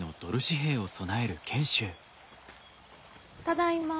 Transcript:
ただいま。